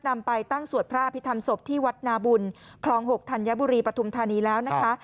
นำไปตั้งสวดพระอภิษฐรรมศพที่วัดนาบุญคลอง๖ธัญบุรีปฐุมธานีแล้วนะคะ